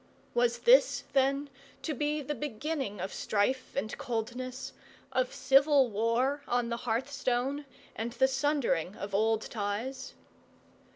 Was this, then, to be the beginning of strife and coldness, of civil war on the hearthstone and the sundering of old ties?